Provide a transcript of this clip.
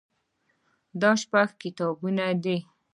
دا شپږ کتابونه دي.